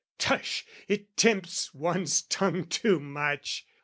Tush, it tempts One's tongue too much!